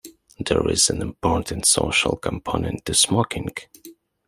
There is an important social component to smoking.